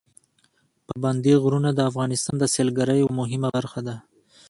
پابندي غرونه د افغانستان د سیلګرۍ یوه مهمه برخه ده.